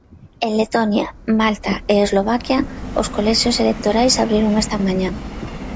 En Letonia, Malta e Eslovaquia os colexios electorais abriron esta mañá.